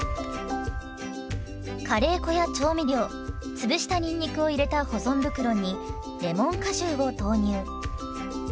カレー粉や調味料潰したにんにくを入れた保存袋にレモン果汁を投入。